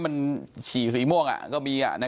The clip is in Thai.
ตำรวจต้องไล่ตามกว่าจะรองรับเหตุได้